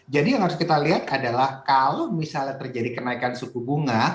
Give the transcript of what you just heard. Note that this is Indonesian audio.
jadi yang harus kita lihat adalah kalau misalnya terjadi kenaikan suku bunga